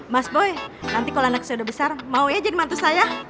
mas boy nanti kalau anak jodoh besar mau aja dimantus saya